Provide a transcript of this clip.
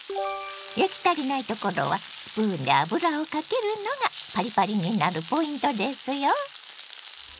焼き足りないところはスプーンで油をかけるのがパリパリになるポイントですよ。